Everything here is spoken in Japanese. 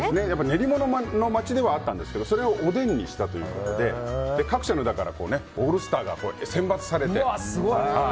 練り物の街ではあったんですけどそれをおでんにしたということで各社のオールスターが選抜されて。